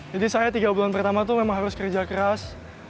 jadi saya tiga bulan pertama itu memang harus kerja keras